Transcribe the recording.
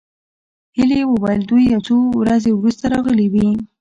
هيلې وویل دوی یو څو ورځې وروسته راغلې وې